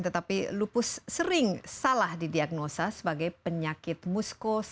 tetapi lupus sering salah didiagnosa sebagai penyakit muskos